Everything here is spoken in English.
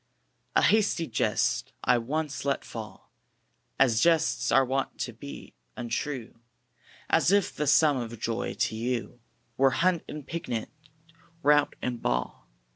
A hasty jest I once let fall As jests are wont to be, untrue As if the sum of joy to you Were hunt and picnic, rout and ball.